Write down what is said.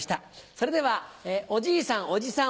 それではおじいさんおじさん